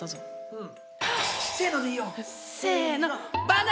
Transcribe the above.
うん。